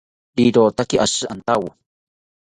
Rirotaki oshi antawo